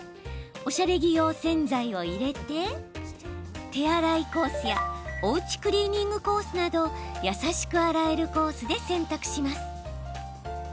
おしゃれ着用洗剤を入れて手洗いコースやおうちクリーニングコースなど優しく洗えるコースで洗濯します。